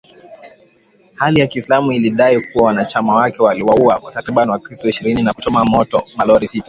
Hali ya kiislamu ilidai kuwa wanachama wake waliwauwa takribani wakristo ishirini na kuchoma moto malori sita